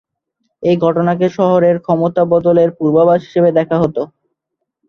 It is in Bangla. এই ঘটনাকে শহরের ক্ষমতা বদলের পূর্বাভাস হিসেবে দেখা হত।